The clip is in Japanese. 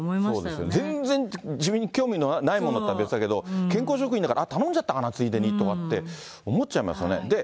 そうですよね、全然自分に興味のないものだったら別だけど、健康食品だから、あっ、頼んじゃったかなって、ついでにとかって、思っちゃいましたよね。